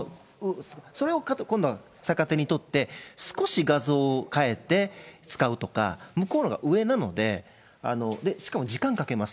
それを今度逆手に取って、少し画像を変えて使うとか、向こうのほうが上なので、しかも時間かけます。